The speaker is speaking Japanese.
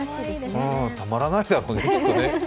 たまらないだろうね、きっとね。